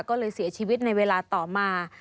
ก็เลยเสียชีวิตในเวลาต่อมา